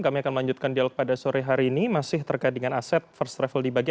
kami akan melanjutkan dialog pada sore hari ini masih terkait dengan aset first travel dibagi